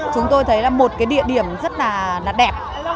chúng tôi thấy là một cái địa điểm rất là đẹp